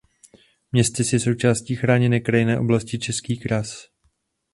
Městys je součástí Chráněné krajinné oblasti Český kras.